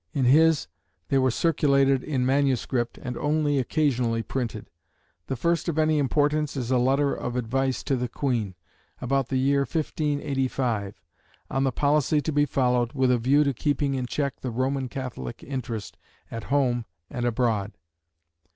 In his they were circulated in manuscript, and only occasionally printed. The first of any importance is a letter of advice to the Queen, about the year 1585, on the policy to be followed with a view to keeping in check the Roman Catholic interest at home and abroad.